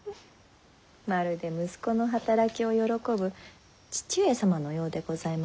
まるで息子の働きを喜ぶ父上様のようでございます。